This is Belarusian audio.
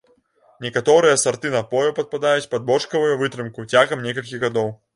Некаторыя сарты напою падпадаюць пад бочкавую вытрымку цягам некалькіх гадоў.